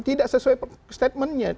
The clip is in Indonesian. tidak sesuai statementnya